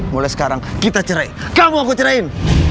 mulai sekarang kita cerai kamu aku cerahin